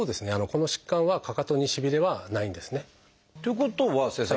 この疾患はかかとにしびれはないんですね。ということは先生